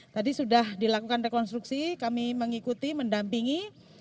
tadi sudah dilakukan rekonstruksi kami mengikuti mendampingi